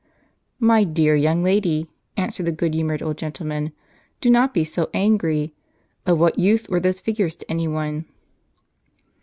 "My dear young lady," answered the good humored old gentleman, "do not be so angry. Of what use were those figures to any one